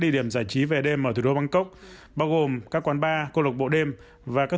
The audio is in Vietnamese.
địa điểm giải trí về đêm ở thủ đô bangkok bao gồm các quán bar câu lục bộ đêm và các